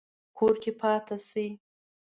کور کې پاتې شئ